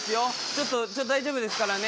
ちょっとちょっと大丈夫ですからね。